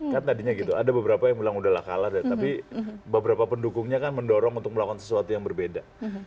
kan tadinya gitu ada beberapa yang bilang udahlah kalah tapi beberapa pendukungnya kan mendorong untuk melakukan sesuatu yang berbeda